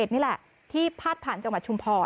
นี่แหละ๑๐๑